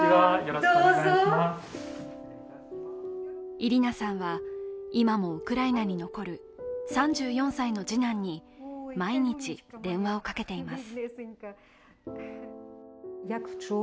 イリナさんは、今もウクライナに残る３４歳の次男に毎日電話をかけています。